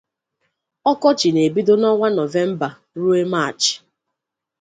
Ǫkǫchi na ebido na ǫnwa novemba rue maachị.